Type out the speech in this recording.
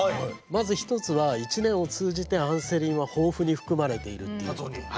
まず１つは１年を通じてアンセリンは豊富に含まれているということ。